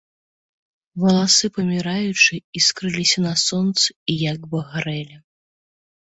Валасы паміраючай іскрыліся на сонцы і як бы гарэлі.